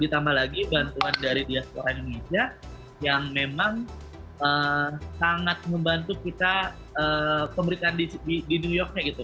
ditambah lagi bantuan dari diaspora indonesia yang memang sangat membantu kita pemberitaan di new yorknya gitu